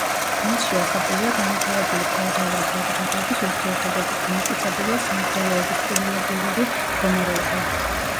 მასში ასახულია განვითარებული ფეოდალური საზოგადოების ურთიერთობები, განმტკიცებულია სამღვდელოების პრივილეგიური მდგომარეობა.